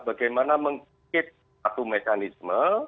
bagaimana meng create satu mekanisme